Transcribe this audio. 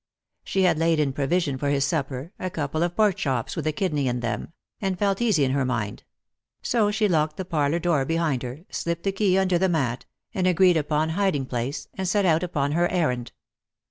She had laid in provision for his supper — a couple of pork chops with the kidney in them— and felt easy in her mind; so she locked the parlour door behind her, slipped the key under the mat — an agreed upon hiding place — and set out upon her errand.